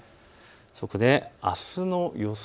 そしてあすの予想